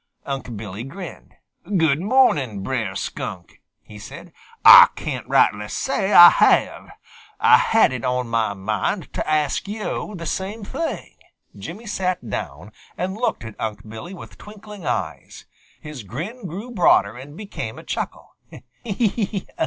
Unc' Billy grinned. "Good mo'nin', Brer Skunk," he replied. "Ah can't rightly say Ah have. Ah had it on mah mind to ask yo' the same thing." Jimmy sat down and looked at Unc' Billy with twinkling eyes. His grin grew broader and became a chuckle.